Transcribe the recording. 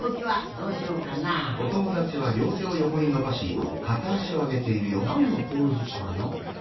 おっなんのポーズかな？